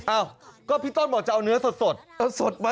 อ้าวก็พี่ต้นบอกจะเอาเนื้อสดสดมา